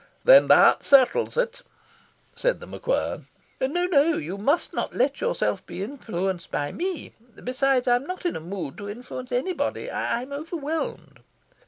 "Then that settles it," said The MacQuern. "No, no! You must not let yourself be influenced by ME. Besides, I am not in a mood to influence anybody. I am overwhelmed.